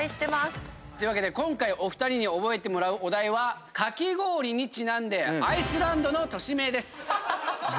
というわけで今回お二人に覚えてもらうお題はかき氷にちなんでアイスランドの都市名です。